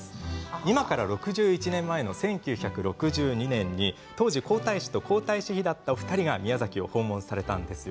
今から６１年前の１９６２年当時、皇太子と皇太子妃だったお二人が宮崎を訪問されました。